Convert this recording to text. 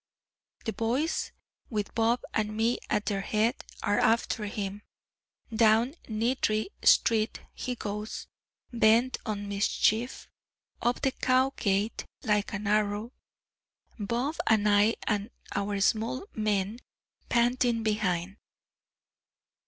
The boys, with Bob and me at their head, are after him; down Niddry street he goes, bent on mischief; up the Cowgate like an arrow Bob and I, and our small men, panting behind.